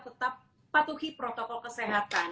tetap patuhi protokol kesehatan